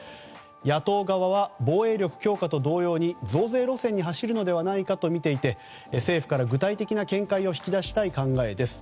野党側は防衛力強化と同様に増税路線に走るのではないかと見ていて政府から具体的な見解を引き出したい考えです。